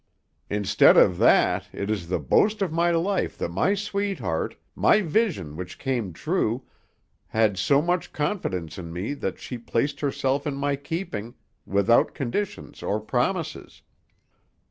"Instead of that, it is the boast of my life that my sweetheart, my vision which came true, had so much confidence in me that she placed herself in my keeping without conditions or promises.